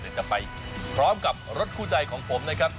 เดี๋ยวจะไปพร้อมกับรถคู่ใจของผมนะครับ